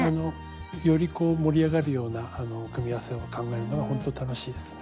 より盛り上がるような組み合わせを考えるのがほんと楽しいですね。